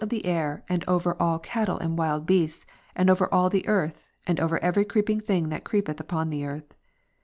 of the air, and over all cattle and wild beasts, and over all the —^' earth, and over every creeping thing that creepeth upon the earth.